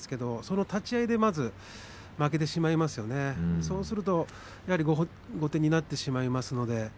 立ち合いでまず負けてしまいますよね、そうしますとやはり後手になってしまいます。